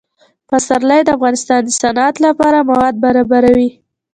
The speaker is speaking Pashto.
پسرلی د افغانستان د صنعت لپاره مواد برابروي.